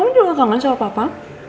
ma juga kangen sama papa